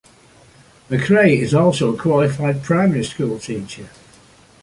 McRae is also a qualified primary school teacher.